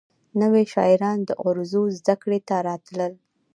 نوي شاعران د عروضو زدکړې ته راتلل.